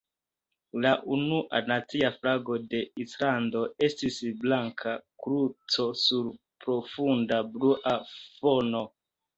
La unua nacia flago de Islando estis blanka kruco sur profunda blua fono.